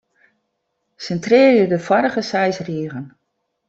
Sintrearje de foarige seis rigen.